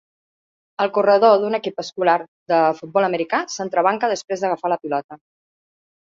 El corredor d'un equip escolar de futbol americà s'entrebanca després d'agafar la pilota